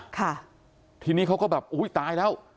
ค่ะทีนี้เขาก็แบบอุ้ยตายแล้ว